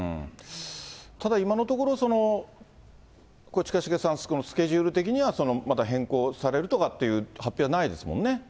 ただ今のところ、近重さん、スケジュール的には、まだ変更されるとかという発表はないですもんね。